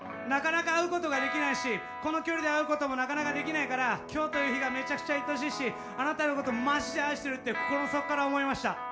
なかなか会うことができないしこの距離で会うこともなかなかできないから今日という日がめちゃくちゃ愛しいしあなたのことまじで愛してるって心の底から思いました。